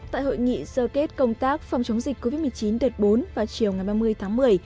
tại hội nghị sơ kết công tác phòng chống dịch covid một mươi chín đợt bốn vào chiều ngày ba mươi tháng một mươi